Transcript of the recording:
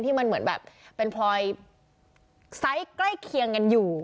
ที่มันเหมือนแบบพลอยไซส์ใกล้เคียงอยู่